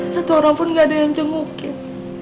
satu orang pun gak ada yang jengukin